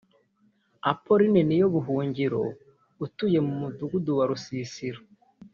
Appauline Niyobuhungiro utuye mu Mudugudu wa Rusisiro